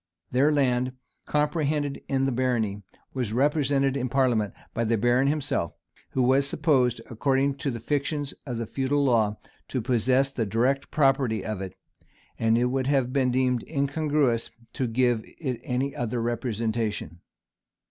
Their land, comprehended in the barony, was represented in parliament by the baron himself, who was supposed, according to the fictions of the feudal law, to possess the direct property of it; and it would have been deemed incongruous to give it any other representation.